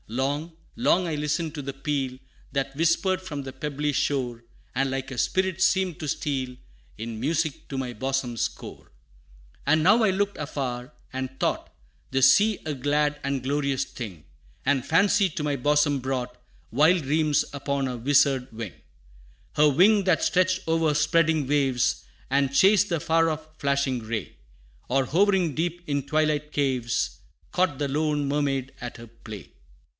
Long, long I listened to the peal, That whispered from the pebbly shore, And like a spirit seemed to steal In music to my bosom's core. And now I looked afar, and thought The sea a glad and glorious thing; And fancy to my bosom brought Wild dreams upon her wizard wing Her wing that stretched o'er spreading waves, And chased the far off flashing ray, Or hovering deep in twilight caves, Caught the lone mermaid at her play.